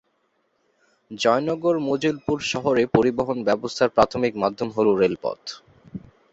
জয়নগর মজিলপুর শহরে পরিবহন ব্যবস্থার প্রাথমিক মাধ্যম হল রেলপথ।